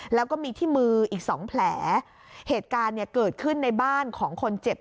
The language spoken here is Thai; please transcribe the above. แล้วก็มีที่มืออีกสองแผลเหตุการณ์เนี่ยเกิดขึ้นในบ้านของคนเจ็บ